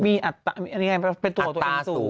มีอัตราสูง